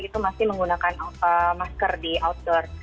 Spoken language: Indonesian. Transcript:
itu masih menggunakan masker di outdoor